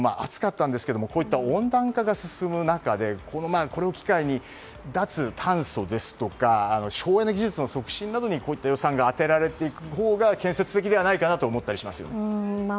今年の夏も暑かったんですがこういった温暖化が進む中これを機会に脱炭素ですとか省エネ技術の促進にこういった予算が充てられていくほうが建設的ではないかなという気がします。